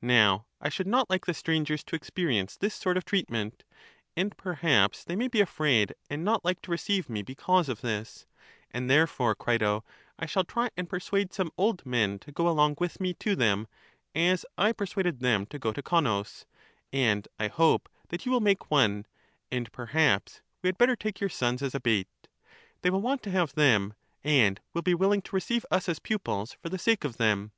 Now I should not like the strangers to experience this sort of treat EUTHYDEMUS 223 ment, and perhaps they may be afraid and not like to receive me because of this; and therefore, Crito, I shall try and persuade some old men to go along with me to them, as I persuaded them to go to Con nus, and I hope that you will make one : and perhaps we had better take your sons as a bait ; they will want to have them, and will be willing to receive us as pupils for the sake of them.